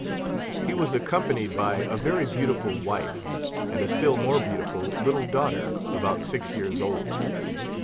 He was accompanied by a very beautiful wife, and a still more beautiful little daughter, about six years old.